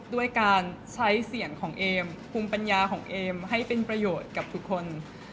ด้วยการใช้เสียงของเอมภูมิปัญญาของเอมให้เป็นประโยชน์กับทุกคน